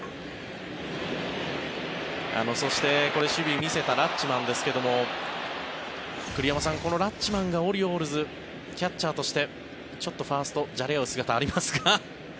そして守備を見せたラッチマンですが栗山さん、このラッチマンがオリオールズキャッチャーとしてちょっとファーストじゃれ合う姿はありますか。